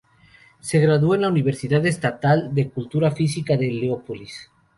Se graduó en la Universidad Estatal de Cultura Física de Leópolis.